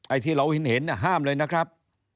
ที่เราเห็นห้ามเลยนะครับ